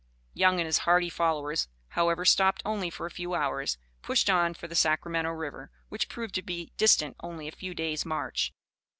Young and his hardy followers, however, stopping only for a few hours, pushed on for the Sacramento River, which proved to be distant only a few days' march.